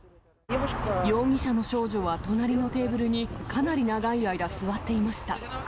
容疑者の少女は隣のテーブルにかなり長い間座っていました。